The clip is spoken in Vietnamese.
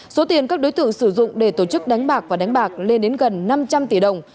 số tiền các đối tượng sử dụng để tổ chức đánh bạc và đánh bạc lên đến gần năm trăm linh tỷ đồng